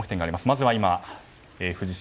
まずは藤島